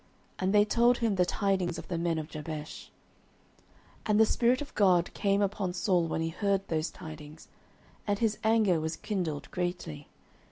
And they told him the tidings of the men of Jabesh. 09:011:006 And the Spirit of God came upon Saul when he heard those tidings, and his anger was kindled greatly.